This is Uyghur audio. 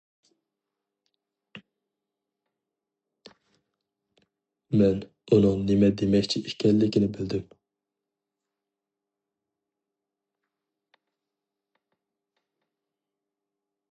مەن ئۇنىڭ نېمە دېمەكچى ئىكەنلىكىنى بىلدىم.